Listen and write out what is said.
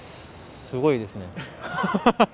すごいですね。